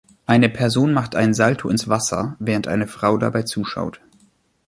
Eine Person macht einen Salto ins Wasser, während eine Frau dabei zuschaut.